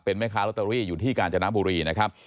แม่ค้าลอตเตอรี่อยู่ที่กาญจนบุรีนะครับ